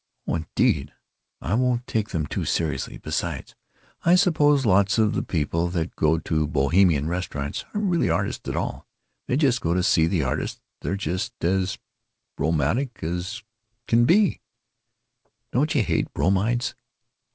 "Oh, indeed, I won't take them too seriously. Besides, I suppose lots of the people that go to Bohemian restaurants aren't really artists at all; they just go to see the artists; they're just as bromidic as can be——Don't you hate bromides?